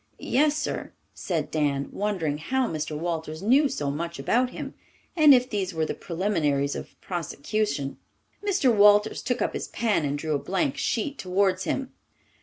"Yes, sir," said Dan, wondering how Mr. Walters knew so much about him, and if these were the preliminaries of prosecution. Mr. Walters took up his pen and drew a blank sheet towards him.